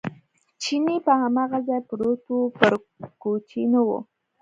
چیني په هماغه ځای پروت و، پر کوچې نه و.